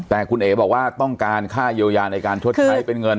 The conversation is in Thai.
แต่คุณเอ๋บอกว่าต้องการค่าเยียวยาในการชดใช้เป็นเงิน